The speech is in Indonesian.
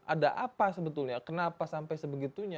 ada apa sebetulnya kenapa sampai sebegitunya